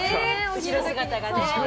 後ろ姿がね。